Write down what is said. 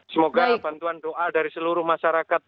semoga bantuan doa dari seluruh masyarakat